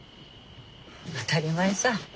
当たり前さ。